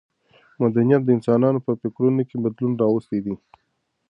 مدنیت د انسانانو په فکرونو کې بدلون راوستی دی.